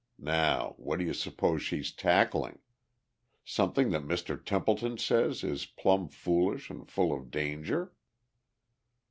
Now, what do you suppose she's tackling? Something that Mr. Templeton says is plumb foolish and full of danger?"